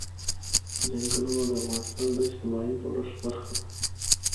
چنګلونه د افغانستان د اجتماعي جوړښت برخه ده.